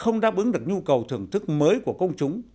không đáp ứng được nhu cầu thưởng thức mới của công chúng